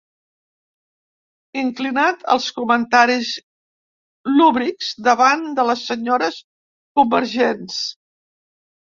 Inclinat als comentaris lúbrics davant de les senyores convergents.